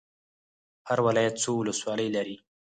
هر ولایت څو ولسوالۍ لري؟